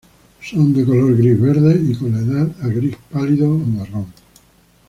Son de color gris-verde y con la edad a gris pálido o marrón.